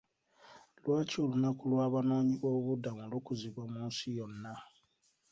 Lwaki olunaku lw'abanoonyi b'obubuddamu lukuzibwa mu nsi yonna.